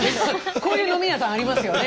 こういう飲み屋さんありますよね。